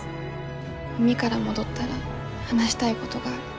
海から戻ったら話したいごどがある。